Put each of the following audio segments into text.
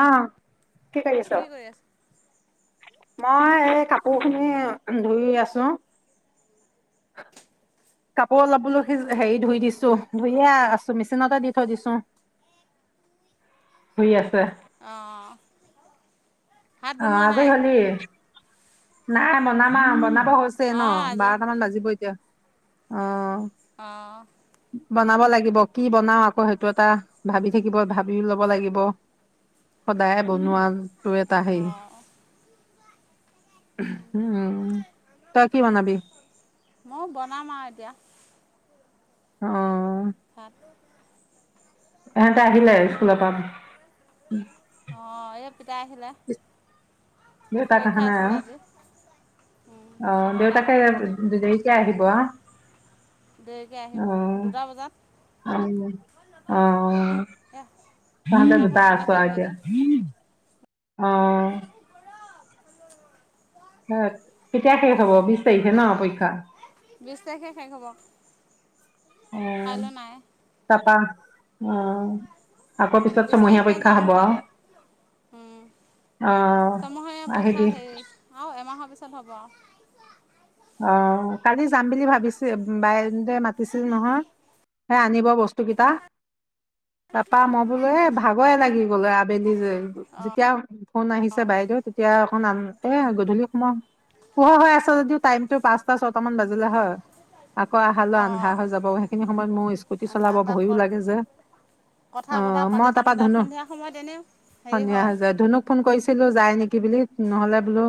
আহ কি কৰি আছ। মই এই কাপোৰ খিনি উম ধুই আছো। কাপোৰ অলপ বোলো সেই হেৰি ধুই দিছোঁ ধুইয়ে আছোঁ মেচিনতে দি থৈ দিছোঁ।। শুই আছে? অ'হ হেল্লো। অ', আজৰি হলি? নাই বনাম আও বনাম। তো হৈছে ন? অঁ আজৰি বাৰটামান হ'লোঁ বাজিব এতিয়া, অ'হ। অ'হ। ‌ব বনাব লাগিব কি বনাও আকৌ সেইটো এটা, ভাবি থাকিব ভাবিও ল'ব লাগিব। সদায়ে বনোৱা আগ টোৱে। তা সেই অঁ উম' তই কি বনাবি? ময়ো বনাম আও এতিয়া। অ'হ। তাতো ক। ইহঁতে আহিলে স্কুলৰ পৰা? অহ', এই পিতাই আহিলে অ পাপা দেউতাক পৰীক্ষা আছিলে আজি। উম, অহ অহা নাই দেউতাকে এই দেৰিকে আহিব হা? দেৰিকে আহিব দুটা বজাত। উম অ'হ। এ তহঁতে পৰীক্ষা দুটা সোনকালে আছোঁ শেষ আও হয় এতিয়া, যে উম অ'হ। হয়', কেতিয়া শেষ হ'ব বিশ তাৰিখে ন পৰীক্ষা? বিশ তাৰিখে শেষ হ'ব কাইলে নাই। তা পা, উম আকৌ পিছত বিছ ছমহীয়া তাৰিখে পৰীক্ষা যাম হ'ব। চাগে উম, অ'হ আহিবি। আও এমাহৰ পিছত হ'ব আও। অ', কালি যাম বুলি ভাবিছোয়ে বাইদেউ মাতিছিল নহয়। হে আনিব বস্তু গিটা। তা পা মই বোলো এই ভাগৰে লাগি গ'লো আবেলি লৈ। অঁ যেতিয়া ফোন আহিছে বাইদেউ তেতিয়া অকণ আন এয়া গধূলি। পোহৰ হৈ আছ যদিও টাইমতো পাঁচটা ছয়টা মান বাজিলে হয়। আকৌ আহালৈ আন্ধাৰ অঁ হৈ যাব সেইখিনি সময়ত মোৰ স্কুটি চলাব অঁ তাত ভয়ো ক লাগে যে। কথা বতৰা অহ', মই পাতি তাপা থাকোঁতে ধুনু, সন্ধিয়া সময়ত এনেই হেৰি সন্ধিয়া হয় হৈছে ধুনুক। ফোন কৰিছিলোঁ যায় নেকি বুলি, নহ'লে বোলো,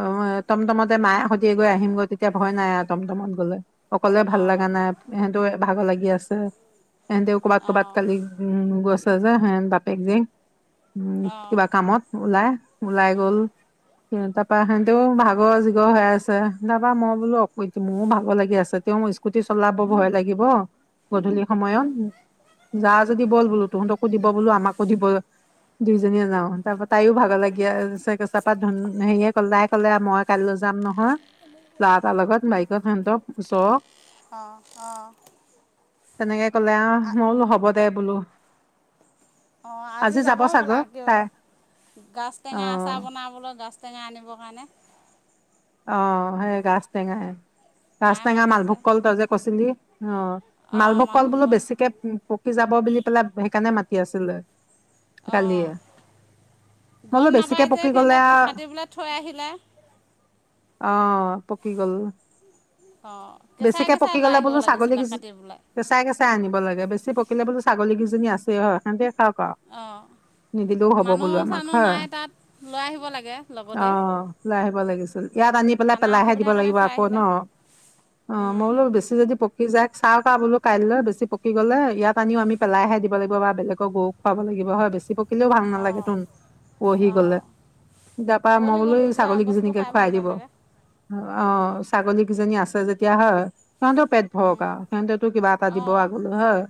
অ' এ টমটমতে মায়ে‌ হৈ। নিজে গৈ আহিবগৈ তেতিয়া ভয় নাই টমটমত গ'লে। অকলে ভাল অঁ লাগা নাই। ইহেঁনতেও ভাগৰ লাগি আছে। ইহঁনতেও ক'বাত ক'বাত অঁ কালি উম। গৈছে যে সেহেত বাপেক-জীয়েক উ, অঁ কিবা কামত ওলাই, ওলাই গ'ল তাৰপা সেহেনতেও ভাগৰ জিগৰ হৈ আছ চাৰে আঠটা পৰা মই বোলো মোৰো ভাগৰ লাগি আছে তেওঁ স্কুটি চলাব ভয় লাগিব। গধূলি সময়ত। যা যদি ব'ল বোলো তহঁতকো দিব বোলো আমাকো দিব দুইজনীয়ে যাওঁ, তাৰপৰা তাইও [unintelligible] ক'লে মই কাইলৈ যাম নহয় ল'ৰা এটাৰ লগত বাইকত সিহঁতক ওচৰৰ অ', অ'। তেনেকে ক'লে আহ মই বোলো হ'ব দে বোলো অ', আজি যাব হ'বলা। গাছ অ টেঙা আচাৰ বনাবলৈ গাছ টেঙা আনিবৰ কাৰণে অ', সেই গাছ টেঙাএ গাছ মায়ে টেঙা, মাতি আছে মালভোগ কল তই যে কৈছিলি অ' মালভোগ কল বোলো বেছিকে পকি যাব বুলি পেলাই সেইকাৰণে মাতি আছিলো অ'। মই বোলো গম বেছিকে নাপায় যে পকি গ'লে আ, সিহঁতে কাটি পেলাই থৈ আহিলে। অ'। পকি গ'ল। অ'। কেঁচাই কেঁচাই লৈ আহিব লাগিছিলে কাটি পেলাই। কেচাই কেচাই আনিব লাগে, বেছি পকিলে বোলো ছাগলীকেইজনী আছে হ'য় সতে অ'। মানুহ বোলো আমাক চানুহ হয় নাই তাত লৈ আহিব লাগে অ লগতে। লৈ আহিব লাগিছিল। ইয়াত আনি পেলাই আনা পেলাইহে দিব অসুবিধাৰ কাৰণে লাগিব থৈ আকৌ ন'। আহিলে অ মই বোলো বেছি যদি পকি যায় [unintelligible] বোলো কাইলৈ বেছি পকি গ'লে ইয়াত আনিও আমি পেলাইহে দিব লাগিব বা বেলেগক গৰুক খুৱাব লাগিব হয় বেছি পকিলেও ভাল নালাগে অঁ টোন, পহি গলে অঁ তাৰ পৰা মই কুঁৱলী বোলো গ'ল যোৱা বস্তু ছাগলীকেইজনীকে খাই খুৱাই ভাল দিব। নালাগে অ', ছাগলী কেইজনী আছে যেতিয়া হয়, তহতৰ পেট [unintelligible] সেহেন্তেটো কিবা এটা দিব অঁ আগলো হয়।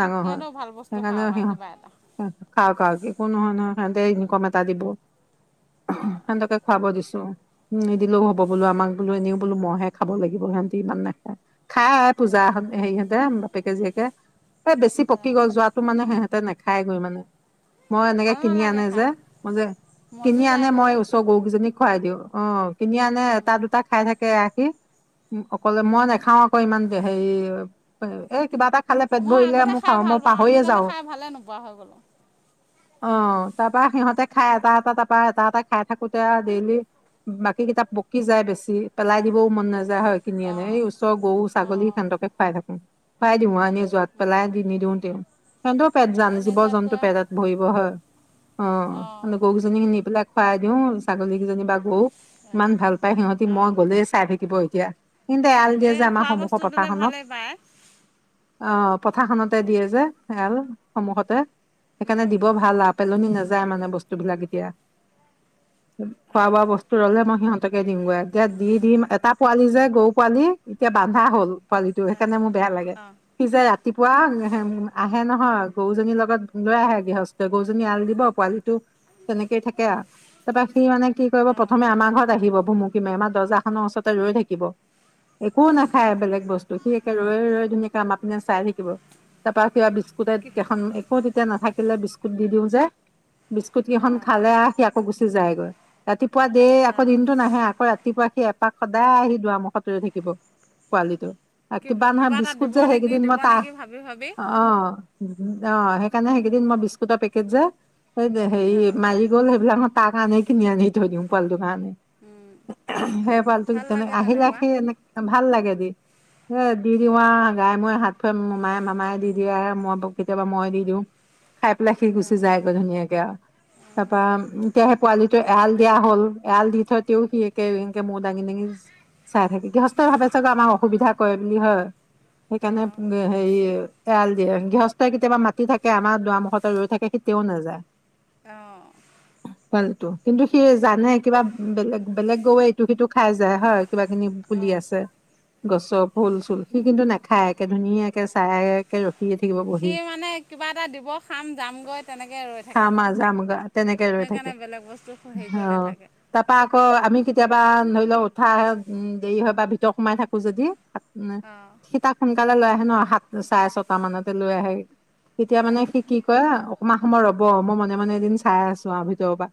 ডাঙৰ হয়। সিহঁতেও ভাল বস্তু খাওক সেইকাৰণেও আৰু কিবা এটা সিহঁত [unintelligible] একো নহয়, নহয়, সিহঁতে ইনকম এটা দিব। অঁ সিহঁতকে খাব দিছো। উম নিদিলেও হ'ব বোলো আমাক বোলো এনেও বোলো মইহে খাব লাগিব সিঁহতে ইমান নাখায়। খাই পূজা, অঁ হেৰিহঁতে বাপেকে জীয়েকে এই বেছি পকি অঁ গল যোৱাত মানে সিহঁতে নেখাইগে মানে মই এনেকে ভাল কিনি নালাগে আনে যে খাই মই যে মজি কিনি আনে যায়গৈ মই যে ওচৰৰ গৰুকেইজনীক খুৱাই দিওঁ। অ'। কিনি আনে এটা দুটা খাই থাকে [unintelligible] অকলে মই নাখাও আকৌ ইমান হেৰি এই কিবা এটা খালে পেট মই ভৰিলে আগতে মোক খাই খাওঁ ভাল মই পাওঁ পাহৰিয়ে আজিকালি যাওঁ। খাই ভালে নোপোৱা হৈ গ'লোঁ অ তাৰপা সিহঁতে খাই এটা এটা তাৰেপাৰা এটা এটা খাই থাকোতে আৰু ডেইলি বাকী কেইটা পকি যায় বেছি পেলাই দিবও মন নাযায়। জা হয় কিনি আনে অঁ এই ওচৰ গৰু ছাগলী অঁ সেন্তকে খুৱাই থাকো খুৱাই দিওঁ আৰু [unintelligible] সিহতেও পেট জান এনেই জীৱ জন্তু যোৱাতকৈ পেটত ভৰিব হয়। অ', অঁ এ জনীক নি পেলাই খুৱাই দিওঁ ছাগলী কেইজনী বা গৰুক ইমান ভাল পায় সিহঁতি মই অঁ গ'লে চাই থাকিব এতিয়া কিন্তু এৰাল দিয়ে এই যে আমাৰ খোৱা বস্তু সন্মুখৰ দিলে পথাৰখনত ভালেই পায় আহ পথাৰখনতে দিয়ে যে, এল সমুখতে সেইকাৰণে অঁ দিব ভাল আউ পেলনি নাযায় মানে বস্তুবিলাক এতিয়া। খোৱা অঁ বোৱা বস্তু ৰলে মই সিহঁতকে দিওঁগে এতিয়া দি-দি এটা পোৱালি যে গৰু পোৱালি এতিয়া বন্ধা হ'ল। পোৱালিটো সেইকাৰণে মোৰ বেয়া লাগে। অঁ সি যে ৰাতিপুৱা অঁ আহে নহয় গৰুজনীৰ লগত লৈ আহে গৃহস্থই। গৰুজনী আল দিব পোৱালিটো তেনেকেই থাকে আৰু তাৰপৰা সি মানে কি কৰিব প্ৰথমে আমাৰ ঘৰত আহিব ভুমুকি মাৰি, আমাৰ দৰ্জাখনৰ ওচৰতে ৰৈ থাকিব একো নাখায় অঁ বেলেগ বস ত সি একে ৰৈ-ৰৈ ধুনীয়াকে আমাৰ পিনে চাই থাকিব। তাৰপৰা কিবা বিস্কুট কেইখন একো তেতিয়া নাথাকিলে বিস্কুট দি দিওঁ যে। বিস্কুটকেইখন খালে আৰু সি আকৌ গুচি যায় গৈ। ৰাতিপুৱা দেই অঁ আকৌ অঁ দিনটো নাহে আকৌ ৰাতিপুৱা সি এপাক সদায় আহি দুৱাৰ মুখত ৰৈ থাকিব পোৱালিটো। কি কিবা নহয় এটা বিস্কুট দিব যে নেকি সেইকেইদিন দিব মই তাহ নেকি ভাবি ভাবি অঁ! অঁ! সেইকাৰণে সেইকেইদিন মই বিস্কুটৰ পেকেট যে সেই হেৰি অঁ মাৰি গল সেইবিলাক মই তাৰ কাৰণে কিনি আনি থৈ দিওঁ পোৱালিটোৰ কাৰণে। উম, [unintelligible] সেই পোৱালিটো ভাল তেনেকে লাগে আহিলে তেনেকুৱা সি এনেকে ভাল লাগে দি এ দিও আউ গাই মূৰে হাত [unintelligible] মামায়ে-মামায়ে দি দিয়ে আৰু মই কেতিয়াবা মইে দি দিওঁ। খাই পেলাই সি গুচি অঁ যায় আকৌ ধুনীয়াকে আৰু। তাৰ পৰা এতিয়া সেই পোৱালিটো এৰাল দিয়া হ'ল এৰাল দি থ‌ওঁতেও সি একে এনেকে মূৰ দাঙি-দাঙি চাই থাকে। গৃহস্থই ভাৱে চাগে আমাক অসুবিধা কৰে বুলি হয় অঁ সেইকাৰণে এৰি এয়াল দিয়ে। গৃহস্থই কেতিয়াবা মাতি থাকে আমাৰ দুৱাৰ মুখতে ৰৈ থাকে কেতিয়াও নাযায়। অঁ! পোৱালিটো কিন্তু সি সি জানে কিবা বেলেগ-বেলেগ গৰুৱে ইটো-সিটো খাই যায় হয়। কিবা কিনি পুলি অঁ আছে গছৰ ফু- চুল সি কিন্তু নাখায় একে ধুনীয়াকে চাই ৰখিয়ে থাকিব বহি। সি মানে কিবা এটা দিব খাম যামগৈ তেনেকৈ ৰৈ থাকে খাম আৰু জাম গাত তেনেকে ৰৈ থাকে, সেইকাৰণে বেলেগ বস্তু হেৰি কৰি অঁ। নাথাকে তাৰপা আকৌ আমি কেতিয়াবা ধৰি লওঁক উঠা দেৰি হয় বা ভিতৰত সোমাই থাকোঁ যদি উম! অঁ সি তাক সোনকালে লৈ আহে ন সাত চাৰে ছটা মানতে লৈ আহে। তেতিয়া মানে অঁ সি কি কয় অকমান সময় ৰ'ব, মই মনে-মনে এদিন চাই আছোঁ আৰু ভিতৰৰ পৰা।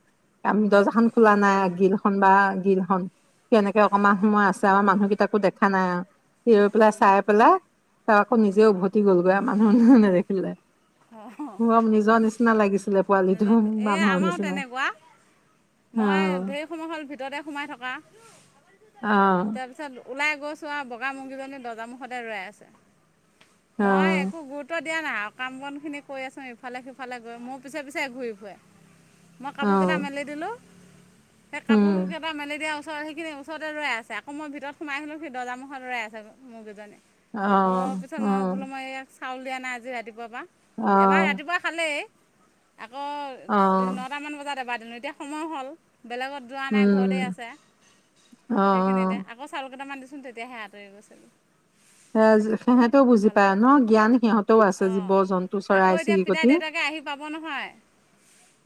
আমি অঁ দৰ্জাখন খোলা নাই, গিলখন বা গিলখন। তেনেকে অকমান সময় আছে আমাৰ মানুহকেইটাকো দেখা নাই আৰু সি ৰৈ পেলাই চাই পেলাই ত আকৌ নিজেও উভতি গলগৈ আৰু মানুহ-দুনুহ নেদেখিলে। অঁ অঁ অলপ নিজৰ নিচিনা লাগিছিলে। পোৱালিটো নিজৰ নিচিনা এই মানুহৰ আমাৰো নিচিনা তেনেকুৱা। মই অ', ধেৰ সময় হ'ল ভিতৰতে সোমাই থকা অ'। [unintelligible] তাৰপিছত ওলাই গৈছোঁ আৰু বগা মুৰ্গীজনী দৰ্জা মুখতে ৰৈ আছে। মই একো গুৰুত্ব দিয়া নাই আৰু কাম-বনখিনি কৰি আছো ইফালে-সিফালে গৈ, মোৰ পিছে-পিছে পিছে ঘূৰি ফুৰে। মই কাপোৰ কেইটা মেলি দিলোঁ সেই কাপোৰ কেইটা মেলি দিয়া ওচৰ সেইখিনি ওচৰতে ৰৈ আছে, আকৌ মই ভিতৰত সোমাই আহিলোঁ সি দৰ্জাৰ মুুখত ৰৈ আছে মুৰ্গী জনী। অ! পিছত অ মই বোলো ইয়াক চাউল দিয়া নাই আজি ৰাতিপুৱাৰ পৰা এবাৰ ৰাতিপুৱা খালেই। আকৌ অ নটামান বজাত এবাৰ দিলোঁ, এতিয়া সময় হ'ল বেলেগত যোৱা নাই ঘৰতে উম আছে অ সেইখিনিতে। আকৌ চাউল কেইটামান দিছ দিছোঁ তেতিয়াহে আঁতৰি গৈছে। সেই সিহঁতেও বুজি পায় লাগে ন জ্ঞান সিহঁত‌ও আছে, অঁ জীৱ-জন্তু, আকৌ পিতাই চৰাই-চিৰিকটি। দেউতাকে এতিয়া আহি পাব নহয়।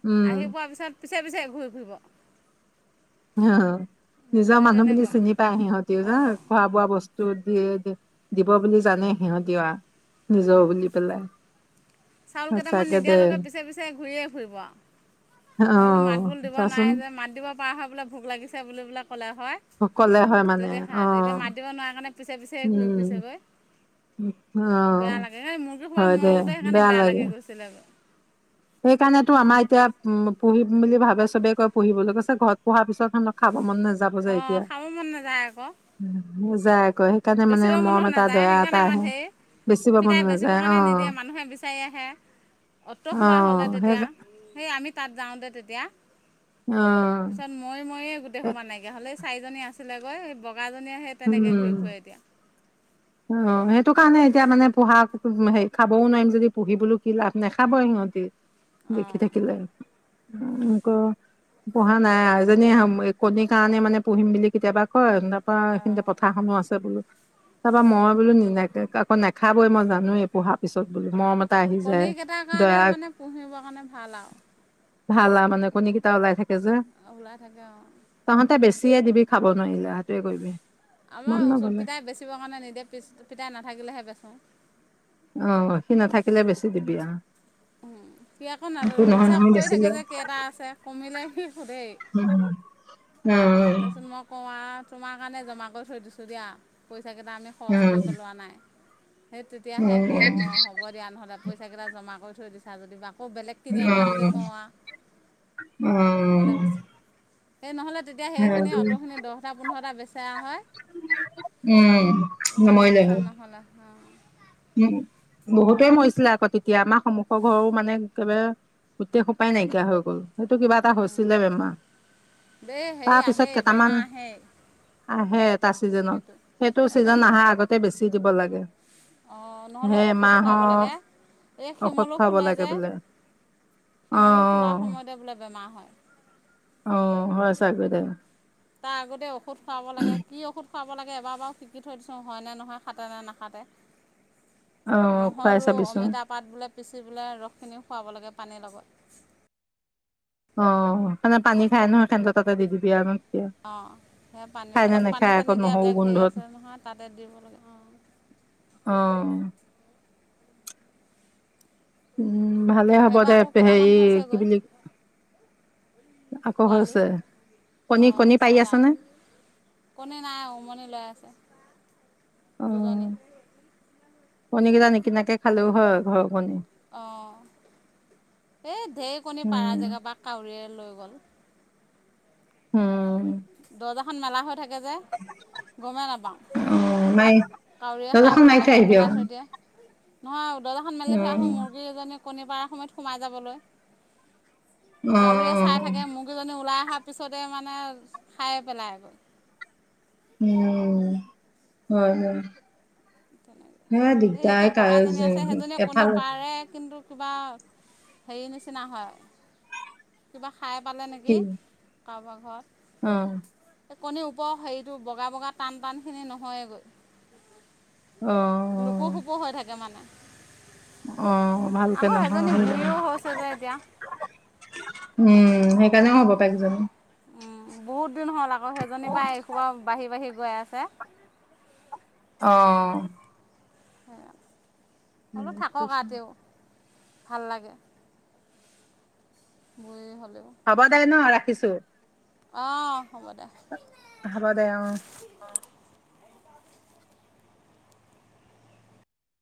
উম আহি পোৱাৰ পিছত পিছে, পিছে ঘূৰি ফূৰিব। নিজৰ মানুহ বুলি চিনি পাই সিহঁতিও ন, অঁ খোৱা বোৱা বস্তু ত' দিয়ে দিব বুলি জানেই, সিহঁতিও নিজৰ বুলি পেলাই। চাউল কেইটান সঁচাকে নিদিয়া দে লৈকে পিছে, পিছে ঘূৰিয়ে ফুৰিব আৰু। অ মই বোলো মাত বোল দিব চাচোন নোৱাৰে যে, মাত দিব পৰা হয়, বোলে ভোক লাগিছে বুলি বোলে ক'লে হয়। কলে হয় মানে তেতিয়া অ খাত এতিয়া মাত দিব নোৱাৰা কাৰণে পিছে, পিছে ঘূৰি ফুৰিছে উম গৈ। অ বেয়া লাগে, এই মুৰ্গী সোপা হয় দে মৰোতে সেইকাৰণে বেয়া লাগে লাগি গৈছিলেগৈ আৰু। সেইকাৰণেতো আমাৰ এতিয়া উম, পুহিম বুলি ভাবে চবে কয় পুহিবলৈ কৈছে ঘৰত পুহাৰ পিছত খাব মন নাযায়। অ', খাব মন নাযায় আকৌ। নেযায় আকৌ। সেইকাৰণে মানে বেচিব মনো মৰম এটা নাযায়, দয়া এটা সেইকাৰণে আমাৰ আহে ধেৰ। বেচিব মন পিতাই বেচিবৰ নাযায় অ কাৰণে নিদিয়ে মানুহে বি ছাৰি আহে। অ'ত অ সোপা হ'লে সেই তেতিয়া, সেই আমি তাত যাওঁতে তেতিয়া। অ'। পিছত মৰি, মৰিয়ে গোটেই সোপা নাইকিয়া হ'ল। চাৰিজনী আছিলেগৈ এই বগাজনীয়ে সেই তেনেকে উম ঘূৰি ফুৰে এতিয়া। অ', সেইটো কাৰণে এতিয়া মানে পোহা খাবওঁ নোৱাৰিম যদি পুহি বোলো কি লাভ নাখাবয়ে ইহঁতি। দেখি অঁ থাকিলে [unintelligible] পুহা নাই আৰু। এজনী হেয়া কণীৰ কাৰণে মানে পুহিম বুলি কেতিয়াবা কয়, তাৰপা এতিয়া অঁ পথাৰখনো আছে বোলো, তাৰপা মই বোলো [unintelligible] নাখাবই, মই জানোৱেই পুহাৰ পিছত বোলো মৰমত। কণীকেইটাৰ কাৰণে মানে পুহিবৰ কাৰণে ভাল আৰু। ভাল আৰু মানে কণী কেইটা ওলাই থাকে যে। অ', ওলাই থাকে অ'। তহঁতে বেছিয়ে দিবি খাবলৈ নোৱাৰিলে সেইটোৱে কৰিবি। মন আমাৰ ওচৰত নগলে পিতাই বেচিবৰ কাৰণে নিদিয়ে, পিছ পিতাই নাথাকিলেহে বেচো। অ', সি নাথাকিলে বেছি দিবি আ। সি আকৌ [unintelligible] হিচাপ নহয় কৰি বেছিলে থাকে যে কেইটা আছে, কমিলে সি সোধেই। উম, উম। [unintelligible] মই কওঁ আৰু তোমাৰ কাৰণে জমা কৰি থৈ দিছোঁ দিয়া, পইচাকেইটা আমি খৰচ উম কৰি পেলোৱা নাই, সেই তেতিয়াহে সি অ', হ'ব দিয়া নহ'লে পইচাকেইটা জমা কৰি থৈ দিছা যদি বা আকৌ বেলেগ কিনি আনিম উম বুলি কওঁ আ, উম নহ'লে বেছোঁ সেই নহ'লে তেতিয়া সেইখিনি উম অটো'খিনি দহটা পোন্ধৰটা বেচাই আ হয়! উম, ইমান সময় যায়গৈ। [inaudible] উম, বহুতে মৰিছিলে আকৌ তেতিয়া। আমাৰ সন্মুখৰ ঘৰো মানে একেবাৰে গোটেই সোপাই নাইকিয়া হৈ গ'ল। সেইটো কিবা এটা হৈছিলে বেমাৰ, দেই হেৰি তাৰপিছত আহেই কেইটামান বেমাৰ আহেই আহে এটা ছিজনত। সেইটো ছিজন আহাৰ আগতে বেছি দিব লাগে। অ', নহ'লে সেই ঔষধ খোৱাব এমাহৰ লাগে। এ, ঔষধ শিমলো খুৱাব ফুলে লাগে যে। বোলে অ শিমলো ফুলাৰ সময়তে বোলে বেমাৰ হয়। অ', হয়, চাগৈ দে। তাৰ আগতে ঔষধ খুৱাব লাগে। কি ঔষধ খুৱাব লাগে এবাৰ বাৰু শিকি থৈ দিছোঁ হয়, নে নহয় খাতে নে নাখাতে! অ খুৱাই নহৰু চাবিচোন অমিতা পাত বোলে পিচি বোলে ৰসখিনি খোৱাব লাগে পানীৰ লগত। অ' সেনে পানী খাই নহয় [unintelligible] তাতে দি দিবি আৰু। তেতিয়া অ' সেইয়া পানী, খাই নে এহেতক পানী নেখাই আকৌ চানী দিয়া নহৰু বেলেগ হেৰি গোন্ধত আছে নহয়, তাতে দিব লাগে অ'। অ' উম' ভালে হ'ব এইবাৰ দে, আকৌ হেৰি কেইটামান কি হৈছেগৈ বুলি আকৌ পোৱালি হৈছে, অঁ কণী-কণী পাৰি ছটা আছেনে? কণী নাই, উমনি লৈ আছে অ দুজনী। কণী কেইটা নিকিনাকে খালেও হয়, ঘৰৰ কণী। অ' এই ঢেৰকণী, পাৰা উম জেগা পৰা কাউৰীয়ে লৈ গ'ল। উম দৰ্জাখন মেলা হৈ থাকে যে, গমেই নাপাওঁ। অ নাই কাউৰীয়ে খাই দৰ্জাখন পেলাই মাৰি থৈ বাহিৰত আহিবি পেলাই আৰু থৈ দিয়ে। নহয় দৰ্জাখন মেলি থৈ আহোঁ, উম মুৰ্গী এজনী কণী পাৰাৰ সময়ত সোমাই যাবলৈ। অ কাউৰীয়ে অ চাই থাকে মুৰ্গীজনী ওলাই অহাৰ পিছতে মানে খায়ে পেলাইগৈ। উম' হয় হয়। তেনেকে, হে এই দিগদাৰ এতিয়া কাৰ বগাজনী আছে সেইজনীয়ে কণী এফাল পাৰে, কিন্তু কিবা হেৰি নিচিনা হয়, কিবা খাই পালে নেকি কাৰোবাৰ ঘৰত। উম' এই কণীৰ ওপৰৰ হেৰিটো বগা-বগা টান টানখিনি নহয়েগৈ। অ' লোপো সোপো হৈ থাকে মানে। অ ভালকে আকৌ নহয় এজনী হয় নহয় বুঢ়ীও হৈছে যে এতিয়া। উম' সেইকাৰণে হ'ব পাৰে কিজানি। উম' বহুত দিন হ'ল আকৌ, সেইজনীৰ পৰা এসোপা বাঢ়ি-বাঢ়ি গৈ আছে। অ' সেইয়া, অলপ থাকক আও তেওঁ। ভাল লাগে বুঢ়ী হ'লেও। হ'ব দে ন ৰাখিছোঁ। অ' হ'ব দে। হ'ব দে অ'।